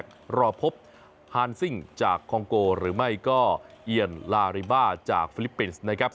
รอพบฮานซิ่งจากคองโกหรือไม่ก็เอียนลาริบ้าจากฟิลิปปินส์นะครับ